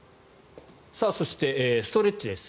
そして、ストレッチです。